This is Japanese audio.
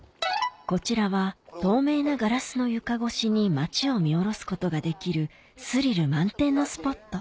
こちらは透明なガラスの床越しに街を見下ろすことができるスリル満点のスポット・ＯＫ？